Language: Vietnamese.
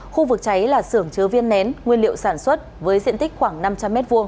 khu vực cháy là xưởng chứa viên nén nguyên liệu sản xuất với diện tích khoảng năm trăm linh m hai